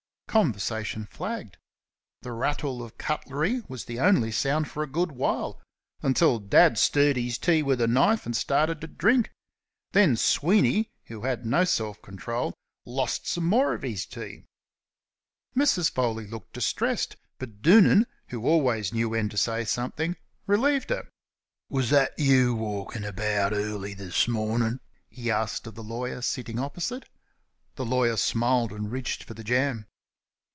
Conversation flagged. The rattle of cutlery was the only sound for a good while until Dad stirred his tea with a knife and started to drink. Then Sweeney, who had no self control, lost some more of his tea. Mrs. Foley looked distressed, but Doonan, who always knew when to say something, relieved her. "Was that you walking about early this morning?" he asked of the lawyer, sitting opposite. The lawyer smiled and reached for the jam.